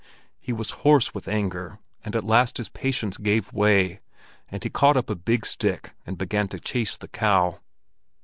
He was hoarse with anger, and at last his patience gave way, and he caught up a big stick and began to chase the cow.